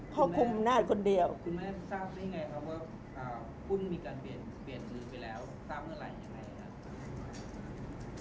คุณแม่คุณแม่ทราบได้ไงครับว่าคุณมีการเปลี่ยนมือไปแล้วทราบเมื่อไหร่ยังไงครับ